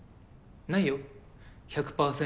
ないよ１００％